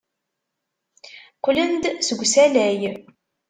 Qqlen-d seg usalay.